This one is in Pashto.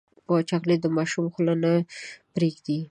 چاکلېټ د ماشوم خوله نه پرېږدي.